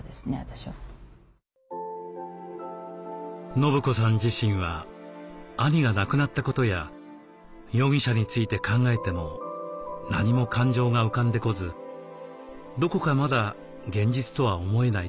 伸子さん自身は兄が亡くなったことや容疑者について考えても何も感情が浮かんでこずどこかまだ現実とは思えないといいます。